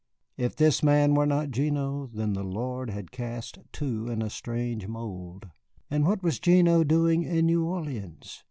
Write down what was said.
If this man were not Gignoux, then the Lord had cast two in a strange mould. And what was Gignoux doing in New Orleans?